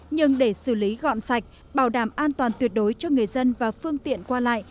nhưng để xử lý gọn sạch bảo đảm an toàn tuyệt đối cho người dân và phương tiện qua lại